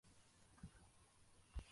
Umuhungu muto ureba igitabo cyamashusho